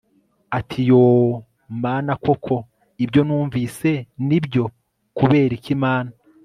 atiYoooooMana koko ivyo numvise nivyo…Kuberiki Mana